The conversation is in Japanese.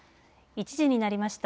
１時になりました。